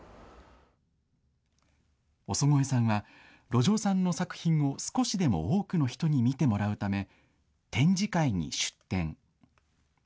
尾曽越さんは路上さんの作品を少しでも多くの人に見てもらうため、展示会に出展。